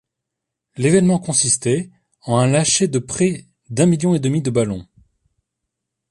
L'événement consistait en un lâcher de près d'un million et demi de ballons.